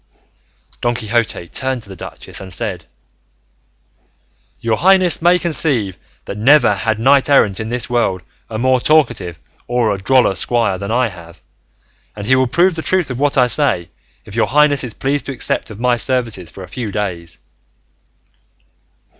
Don Quixote turned to the duchess and said, "Your highness may conceive that never had knight errant in this world a more talkative or a droller squire than I have, and he will prove the truth of what I say, if your highness is pleased to accept of my services for a few days."